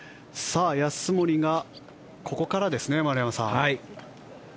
安森がここからですね、丸山さん。